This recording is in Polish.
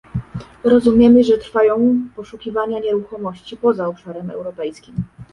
Rozumiemy, że trwają poszukiwania nieruchomości poza Obszarem Europejskim